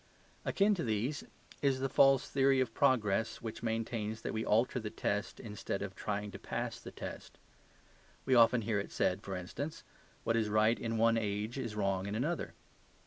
Akin to these is the false theory of progress, which maintains that we alter the test instead of trying to pass the test. We often hear it said, for instance, "What is right in one age is wrong in another."